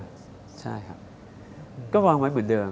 บ๊วยบ๊วยใช่ครับก็วางไว้เหมือนเดิม